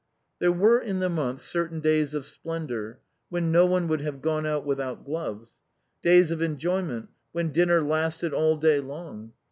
There were in the month certain days of splendor, when no one would have gone out without gloves — days of en joyment, when dinner lasted all day long.